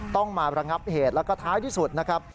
ต้องมาระงับเหตุแล้วก็ท้ายที่สุดนะครับ